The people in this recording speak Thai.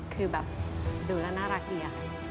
คือแบบดูแล้วน่ารักดี